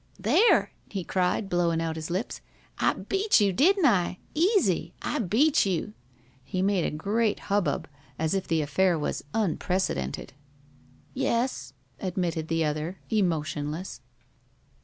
"There!" he cried, blowing out his lips. "I beat you, didn't I? Easy. I beat you." He made a great hubbub, as if the affair was unprecedented. "Yes," admitted the other, emotionless.